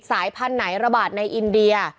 สายพันธุ์ไหนระบาดในอินเดีย